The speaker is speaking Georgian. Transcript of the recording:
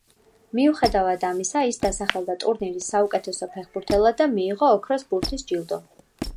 მიუხედავად ამისა, ის დასახელდა ტურნირის საუკეთესო ფეხბურთელად და მიიღო ოქროს ბურთის ჯილდო.